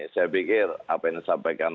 saya pikir apa yang disampaikan